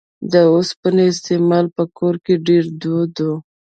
د اوسپنې استعمال په کې ډېر دود و